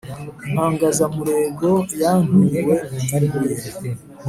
impangazamurego yanturiwe i Mbuye